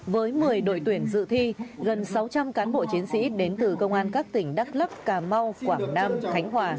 với một mươi đội tuyển dự thi gần sáu trăm linh cán bộ chiến sĩ đến từ công an các tỉnh đắk lắc cà mau quảng nam khánh hòa